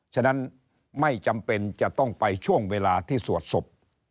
ฉะนั้นไม่จำเป็นจะต้องไปช่วงเวลาที่สวดศพ